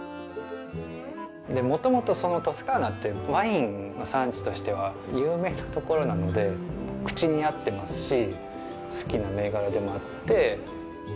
もともとトスカーナってワインの産地としては有名な所なので口に合ってますし好きな銘柄でもあって。